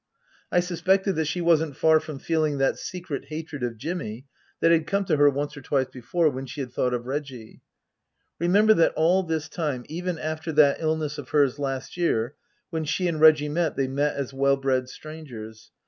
I suspected that she wasn't far from feeling that secret hatred of Jimmy that had come to her once or twice before, when she had thought of Reggie. Remember that all this time, even after that illness of hers last year, when she and Reggie met they met as well bred strangers.